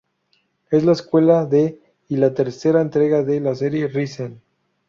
Es la secuela de y la tercera entrega de la serie Risen.